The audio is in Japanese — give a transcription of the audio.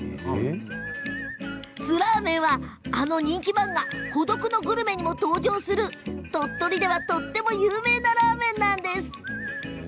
スラーメンは、あの人気漫画「孤独のグルメ」にも登場する鳥取では有名なラーメン。